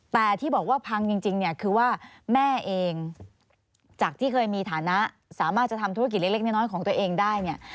แต่ที่บอกว่าพังจริงเนี่ยคือว่าแม่เองจากที่เคยมีฐานะสามารถจะทำธุรกิจเล็กน้อยของตัวเองได้เนี่ย